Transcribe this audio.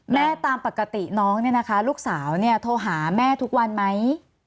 ตามปกติน้องเนี่ยนะคะลูกสาวเนี่ยโทรหาแม่ทุกวันไหม